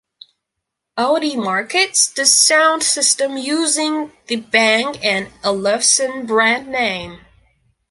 Audi markets this sound system using the Bang and Olufsen brand name.